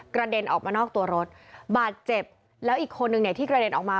เด็นออกมานอกตัวรถบาดเจ็บแล้วอีกคนนึงเนี่ยที่กระเด็นออกมา